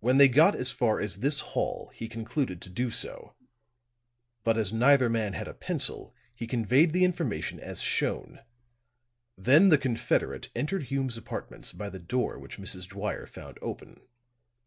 When they got as far as this hall, he concluded to do so; but as neither man had a pencil, he conveyed the information as shown; then the confederate entered Hume's apartments by the door which Mrs. Dwyer found open.